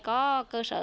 có cơ sở